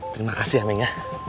terima kasih aming